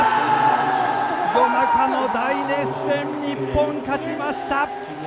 夜中の大熱戦、日本勝ちました！